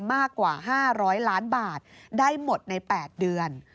มากกว่า๕๐๐ล้านบาทได้หมดใน๘เดือน